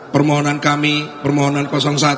permohonan kami permohonan satu